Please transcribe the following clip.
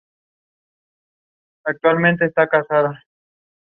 The type and only species is Berthasaura leopoldinae.